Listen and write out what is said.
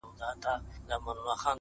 سیاه پوسي ده، افغانستان دی~